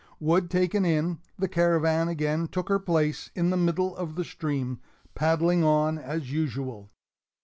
_ Wood taken in, the Caravan again took her place in the middle of the stream, paddling on as usual.